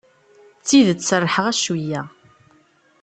D tidet serrḥeɣ-as cweyya.